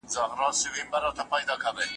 اوښکو سیزلی مخ